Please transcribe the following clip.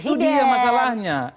itu dia masalahnya